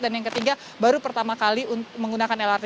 dan yang ketiga baru pertama kali menggunakan lrt